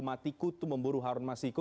matiku tuh memburu harun masiku